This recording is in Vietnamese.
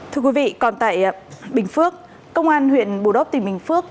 thưa quý vị còn tại bình phước công an huyện bù đốc tỉnh bình phước